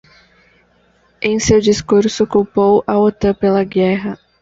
Em seu discurso, culpou a Otan pela guerra